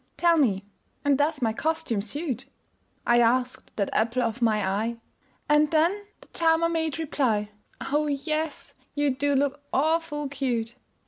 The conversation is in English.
"Tell me and does my costume suit?" I asked that apple of my eye And then the charmer made reply, "Oh, yes, you do look awful cute!"